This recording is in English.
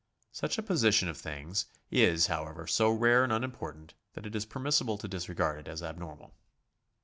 Such a position of things is, however, so rare and unimportant, that it is permissible to disregard it as abnormal.